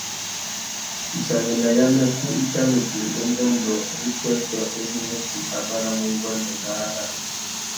Wissangüena yamê, kú i tà nu djï ungôndô râ upwêpwê uzu mutu a banamú nguêndê ngárá râā.